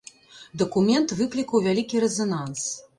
Дакумент выклікаў вялікі рэзананс.